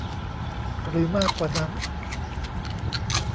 หรือมากกว่านั้น